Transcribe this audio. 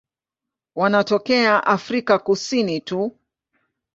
Wanatokea Afrika Kusini tu.